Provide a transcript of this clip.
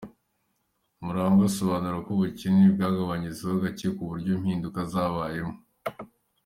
Murangwa asobanura ko ubukene bwagabanyutseho gake ku buryo nta mpinduka zabayeho.